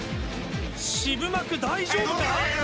渋幕大丈夫か⁉